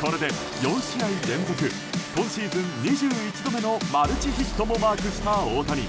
これで４試合連続今シーズン２１度目のマルチヒットもマークした大谷。